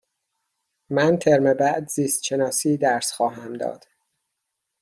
من ترم بعد زیست شناسی درس خواهم داد.